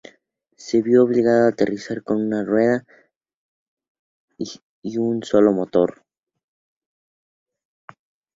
Se vio obligado a aterrizar con una rueda y un solo motor.